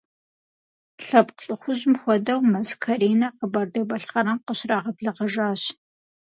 Лъэпкъ лӏыхъужьым хуэдэу Мэз Каринэ Къэбэрдей-Балъкъэрым къыщрагъэблэгъэжащ.